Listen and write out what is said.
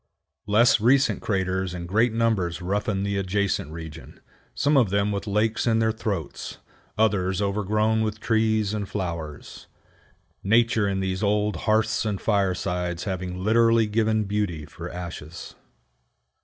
Less recent craters in great numbers roughen the adjacent region; some of them with lakes in their throats, others overgrown with trees and flowers, Nature in these old hearths and firesides having literally given beauty for ashes.